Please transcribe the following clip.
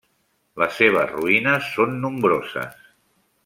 Les seves ruïnes són nombroses.